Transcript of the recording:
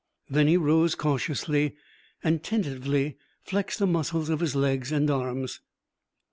Then he rose cautiously, and tentatively flexed the muscles of his legs and arms.